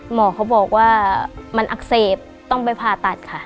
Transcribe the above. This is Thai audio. หมอเขาบอกว่ามันอักเสบต้องไปผ่าตัดค่ะ